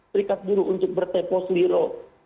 perikad guru untuk bertepo seliru